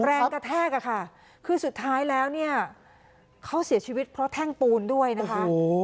แรงกระแทกอะค่ะคือสุดท้ายแล้วเนี่ยเขาเสียชีวิตเพราะแท่งปูนด้วยนะคะ